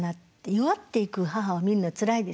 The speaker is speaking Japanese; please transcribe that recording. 弱っていく母を見るのはつらいですよ。